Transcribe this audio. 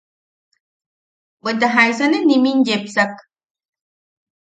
¿Bweta jaisane nimin yepsak?